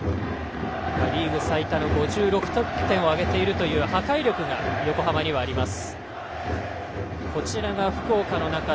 リーグ最多の５６得点を挙げている破壊力が横浜にはあります。